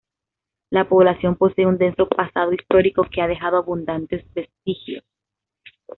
La población posee un denso pasado histórico que ha dejado abundantes vestigios.